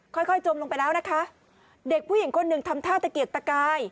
ค่อยค่อยจมลงไปแล้วนะคะเด็กผู้หญิงคนหนึ่งทำท่าตะเกียกตะกาย